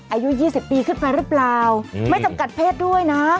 อายุ๒๐ปีขึ้นไปหรือเปล่าไม่จำกัดเพศด้วยนะ